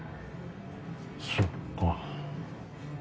そっか。